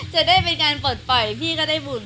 จะได้เป็นการปลดปล่อยพี่ก็ได้บุญ